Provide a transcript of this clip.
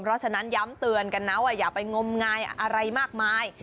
เพราะฉะนั้นย้ำเตือนกันนะว่าอย่าไปงมงายอะไรมากมาย